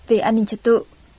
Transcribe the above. về an ninh trật tự